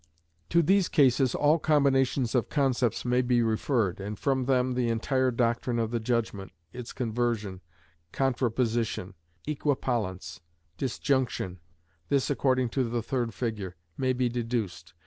To these cases all combinations of concepts may be referred, and from them the entire doctrine of the judgment, its conversion, contraposition, equipollence, disjunction (this according to the third figure) may be deduced.